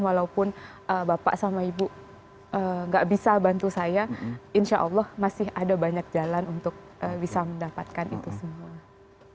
walaupun bapak sama ibu gak bisa bantu saya insya allah masih ada banyak jalan untuk bisa mendapatkan itu semua